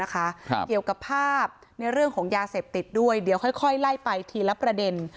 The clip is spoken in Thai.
เกี่ยวกับภาพในเรื่องของยาเสพติดด้วยเดี๋ยวค่อยไล่ไปทีละประเด็น